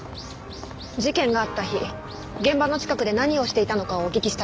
事件があった日現場の近くで何をしていたのかをお聞きしたくて。